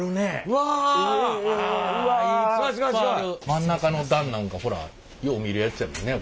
真ん中の段なんかほらよう見るやっちゃね。